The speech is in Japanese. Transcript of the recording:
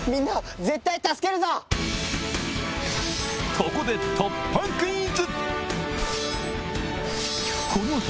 ここで突破クイズ！